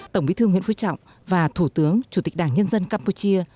tổng bí thư nguyễn phú trọng và thủ tướng chủ tịch đảng nhân dân campuchia